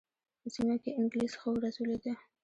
په سیمه کې انګلیس ښه ورځ ولېده.